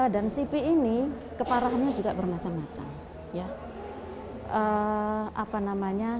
dan cp ini keparahannya juga bermacam macam